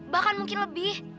bahkan mungkin lebih